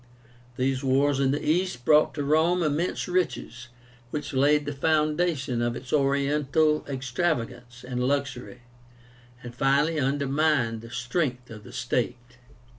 These wars in the East brought to Rome immense riches, which laid the foundation of its Oriental extravagance and luxury, and finally undermined the strength of the state.